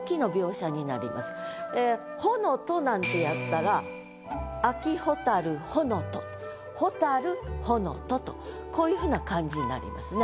「ほのと」なんてやったら「秋蛍ほのと」「蛍ほのと」とこういうふうな感じになりますね。